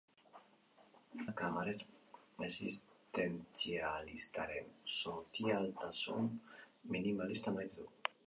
Artista frantziarrak kabaret esistentzialistaren sotiltasun minimalista maite du.